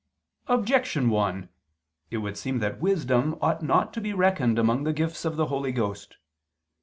Objection 1: It would seem that wisdom ought not to be reckoned among the gifts of the Holy Ghost.